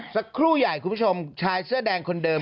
สักครู่ใหญ่คุณผู้ชมชายเสื้อแดงคนเดิม